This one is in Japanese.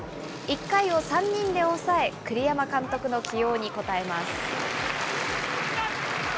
１回を３人で抑え、栗山監督の起用に応えます。